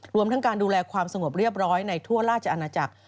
รวมทั้งการดูแลความสงบเรียบร้อยในทั่วราชอาณาจักร